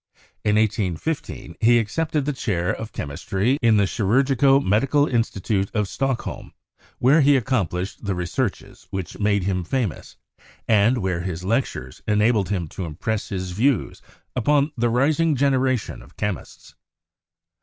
In 1815, he accepted the chair of chemistry in the Chirurgico Medical Institute of Stock holm, where he accomplished the researches which made him famous, and where his lectures enabled him to impress his views upon the rising generation of chemists.